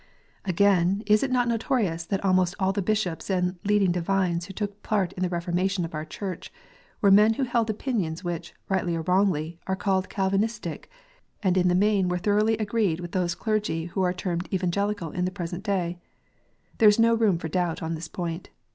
Again, is it not notorious that almost all the Bishops and leading divines who took part in the Keformation of our Church, were men who held opinions which, rightly or wrongly, are called Calvinistic, and in the main were thoroughly agreed with those clergy who are termed Evangelical in the present day 1 There is no room for doubt on this point.